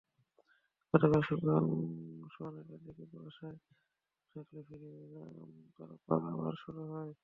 গতকাল সকাল সোয়া নয়টার দিকে কুয়াশা কমতে থাকলে ফেরি পারাপার আবার শুরু হয়।